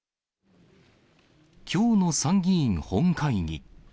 きょうの参議院本会議。